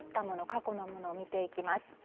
過去のものを見ていきます。